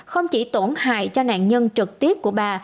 không chỉ tổn hại cho nạn nhân trực tiếp của bà